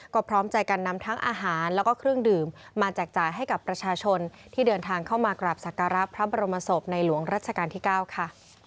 ก็พร้อมใจกันนำทั้งอาหารแล้วก็เครื่องดื่มมาแจกจ่ายให้กับประชาชนที่เดินทางเข้ามากราบสักการะพระบรมศพในหลวงรัชกาลที่๙ค่ะ